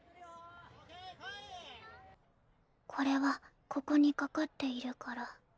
これはここに掛かっているから。